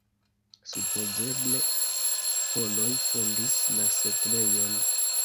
Supozeble poloj fondis la setlejon.